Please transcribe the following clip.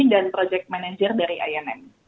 dan project manager dari inm